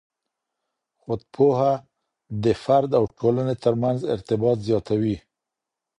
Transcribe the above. خود پوهه د فرد او ټولنې ترمنځ ارتباط زیاتوي.